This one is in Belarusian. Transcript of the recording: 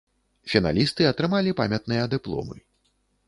Фіналісты атрымалі памятныя дыпломы.